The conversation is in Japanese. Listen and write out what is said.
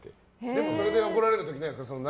でも、それで怒られる時ないですか？